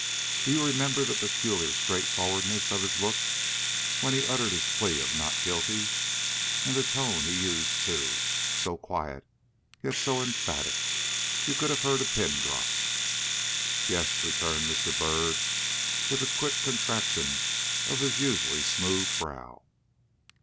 "Do you remember the peculiar straightforwardness of his look when he uttered his plea of 'Not guilty,' and the tone he used too, so quiet, yet so emphatic? You could have heard a pin drop." "Yes," returned Mr. Byrd, with a quick contraction of his usually smooth brow.